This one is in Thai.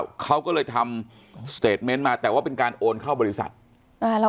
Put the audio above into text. เหรอเขาก็เลยทำมาแต่ว่าเป็นการโอนเข้าบริษัทน่ะเรา